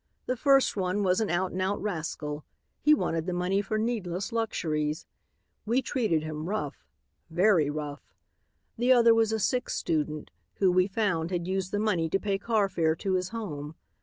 The first one was an out and out rascal; he wanted the money for needless luxuries. We treated him rough. Very rough! The other was a sick student who, we found, had used the money to pay carfare to his home.